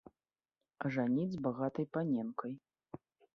Ажаніць з багатай паненкай.